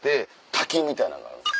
滝みたいなのがあるんです